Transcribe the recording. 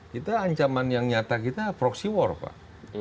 kita ancaman yang nyata kita proxy war pak